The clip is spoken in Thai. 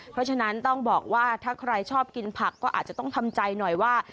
เพราะฉะนั้นต้องบอกว่าถ้าใครชอบกินผักก็อาจจะต้องทำใจหน่อยว่า